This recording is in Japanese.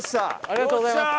ありがとうございます。